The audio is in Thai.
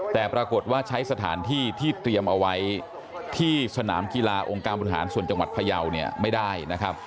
แต่ปรากฏว่าใช้สถานที่ที่เตรียมเอาไว้ที่สนามกีฬาองค์การบริหารส่วนจังหวัดพยาวเนี่ยไม่ได้นะครับ